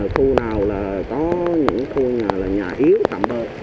khu nào là có những khu nhà là nhà yếu thảm bợi